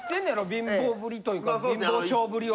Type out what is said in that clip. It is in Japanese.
貧乏ぶりというか貧乏性ぶりを。